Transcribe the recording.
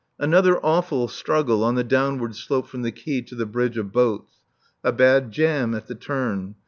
Another awful struggle on the downward slope from the quay to the bridge of boats. A bad jam at the turn.